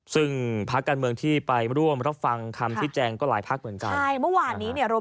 ซึ่งภาคการเมืองที่ไปร่วมและฟังคำที่แจ้งก็หลายภาคเหมือนกัน